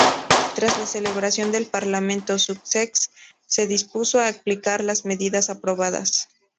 Tras la celebración del parlamento, Sussex se dispuso a aplicar las medidas aprobadas.